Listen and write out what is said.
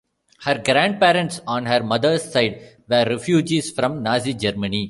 Her grandparents on her mother's side were refugees from Nazi Germany.